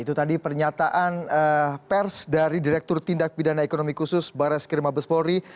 itu tadi pernyataan pers dari direktur tindak pidana ekonomi khusus barat skirmabespori